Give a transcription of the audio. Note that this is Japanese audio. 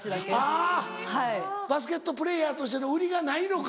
あぁバスケットプレーヤーとしての売りがないのか。